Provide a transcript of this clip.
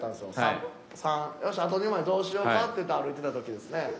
「よしあと２枚どうしようか」って歩いてた時ですね。